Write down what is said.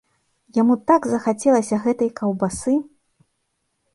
Яму так захацелася гэтай каўбасы!